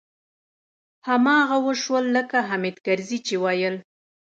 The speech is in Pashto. هماغه و شول لکه حامد کرزي چې ويل.